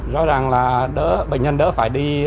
rõ ràng là bệnh nhân đó phải đi